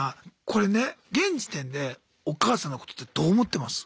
これね現時点でお母さんのことってどう思ってます？